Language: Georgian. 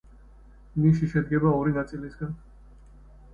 ნიში შედგება ორი ნაწილისაგან.